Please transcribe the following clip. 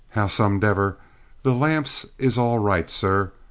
"Howsomdever, the lamps is all right, sir.